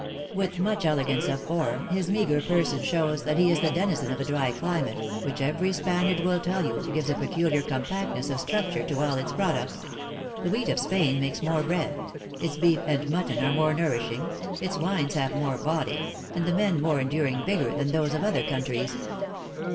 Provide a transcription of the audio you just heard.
With much elegance of form, his meagre person shows that he is the denizen of a dry climate, which, every Spaniard will tell you, gives a peculiar compactness of structure to all its products : the wheat of Spain makes more bread, its beef and mutton are more nourishing, its wines have more body, and the men more enduring vigor than those of other countries.